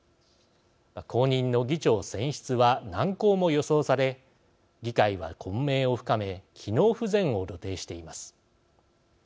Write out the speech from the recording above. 後任の議長選出は難航も予想され議会は混迷を深め機能不全を露呈しています。